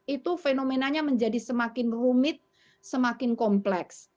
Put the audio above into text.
itu fenomenanya menjadi semakin rumit semakin kompleks